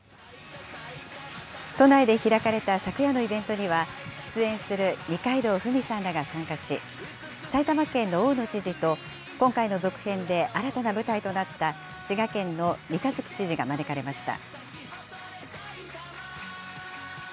都内で開かれた昨夜のイベントには、出演する二階堂ふみさんらが参加し、埼玉県の大野知事と、今回の続編で新たな舞台となった滋賀県の三日月知事が招かれました。